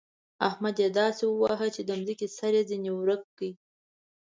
احمد يې داسې وواهه چې د ځمکې سر يې ځنې ورک کړ.